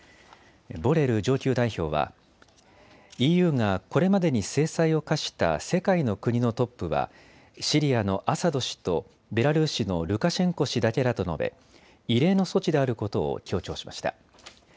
ボレル上級代表は、ＥＵがこれまでに制裁を科した世界の国のトップはシリアのアサド氏とベラルーシのルカシェンコ氏だけだと述べ異例の措置であることを強調しました。